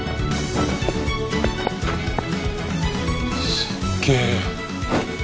すっげえ。